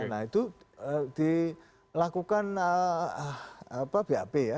nah itu dilakukan bap ya